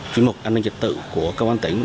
chuyên mục an ninh trật tự của công an tỉnh